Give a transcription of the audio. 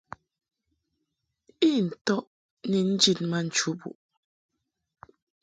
I ntɔʼ ni njid ma nchubuʼ.